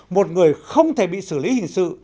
một người không thể bị xử lý hình sự